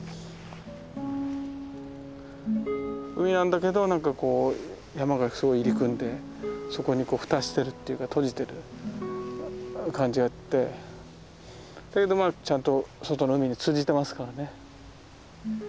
海なんだけどなんかこう山がすごい入り組んでそこに蓋してるっていうか閉じてる感じがあってだけどまあちゃんと外の海に通じてますからね。